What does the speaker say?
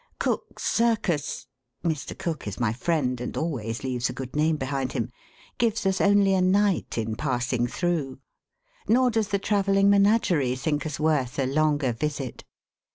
Cooke's Circus (Mr. Cooke is my friend, and always leaves a good name behind him) gives us only a night in passing through. Nor does the travelling menagerie think us worth a longer visit.